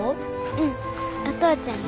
うんお父ちゃんや。